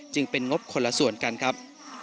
จึงเป็นงบคนละส่วนกันครับ